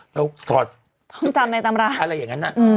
เราสอนอะไรอย่างนั้น